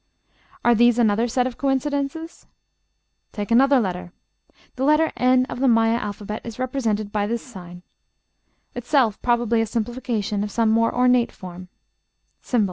Are these another set of coincidences? Take another letter: The letter n of the Maya alphabet is represented by this sign, itself probably a simplification of some more ornate form, ###.